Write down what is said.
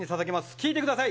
聴いてください。